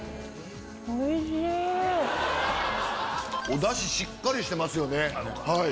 おダシしっかりしてますよね。